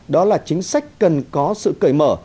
đó là chính sách cần có sự cởi mở